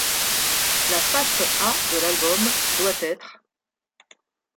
La face A de l'album doit être '.